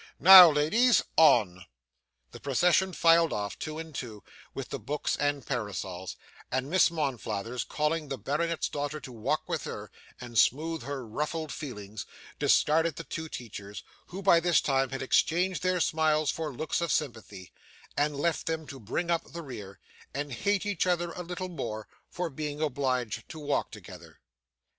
Now ladies, on.' The procession filed off, two and two, with the books and parasols, and Miss Monflathers, calling the Baronet's daughter to walk with her and smooth her ruffled feelings, discarded the two teachers who by this time had exchanged their smiles for looks of sympathy and left them to bring up the rear, and hate each other a little more for being obliged to walk together.